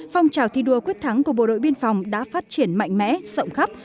phong trào thi đua quyết thắng của bộ đội biên phòng đã phát triển mạnh mẽ sộng khắp